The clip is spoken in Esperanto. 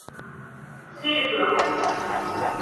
cirklo